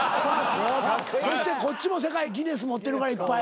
そしてこっちも世界ギネス持ってるからいっぱい。